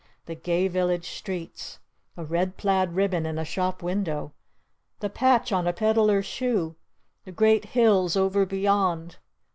The gay village streets! A red plaid ribbon in a shop window! The patch on a peddler's shoe! The great hills over beyond!